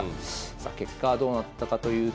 さあ結果はどうなったかというと。